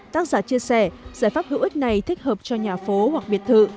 tác giả chia sẻ giải pháp hữu ích này thích hợp cho nhà phố hoặc biệt thự